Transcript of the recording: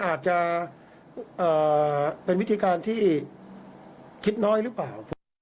อาจจะเป็นวิธีการที่คิดน้อยหรือเปล่า